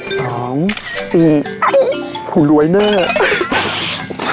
สองสี่หูรวยเนอร์